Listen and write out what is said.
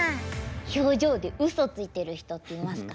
表情で嘘ついている人っていますかね？